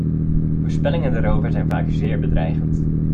Voorspellingen daarover zijn vaak zeer bedreigend.